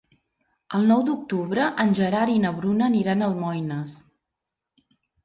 El nou d'octubre en Gerard i na Bruna aniran a Almoines.